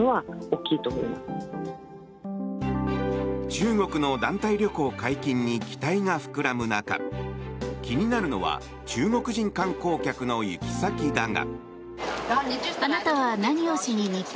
中国の団体旅行解禁に期待が膨らむ中気になるのは中国人観光客の行き先だが。